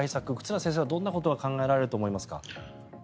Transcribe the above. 忽那先生はどんなことが考えられると思いますか？